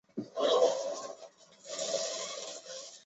有腺泡花树为清风藤科泡花树属下的一个变种。